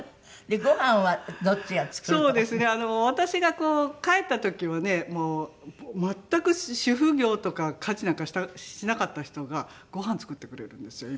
私が帰った時はね全く主婦業とか家事なんかしなかった人がごはん作ってくれるんですよ今。